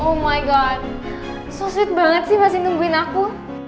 oh my god so sweet banget sih masih nungguin aku